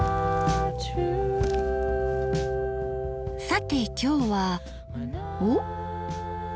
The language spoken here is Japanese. さて今日はおっ！